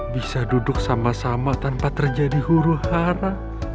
bisa duduk sama sama tanpa terjadi huru hara